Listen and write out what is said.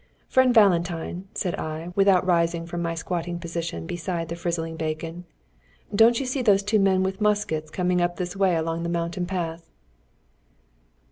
"Friend Valentine," said I, without rising from my squatting position beside the frizzling bacon, "don't you see those two men with muskets coming up this way along the mountain path?"